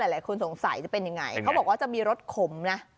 หลายคนสงสัยจะเป็นยังไงเขาบอกว่าจะมีรสขมนะ